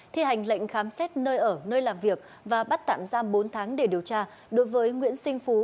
thi hành lệnh khám xét nơi ở nơi làm việc và bắt tạm giam bốn tháng để điều tra đối với nguyễn sinh phú